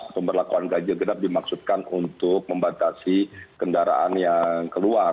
pemberlakuan ganjil genap dimaksudkan untuk membatasi kendaraan yang keluar